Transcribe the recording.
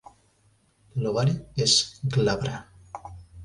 L'ovari és glabre.